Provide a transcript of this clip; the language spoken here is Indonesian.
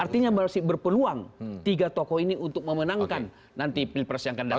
artinya masih berpeluang tiga tokoh ini untuk memenangkan nanti pilpres yang akan datang